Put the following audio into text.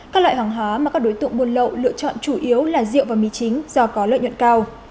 các loại hàng hóa mà các đối tượng buôn lậu lựa chọn chủ yếu là rượu và mì chính do có lợi nhuận cao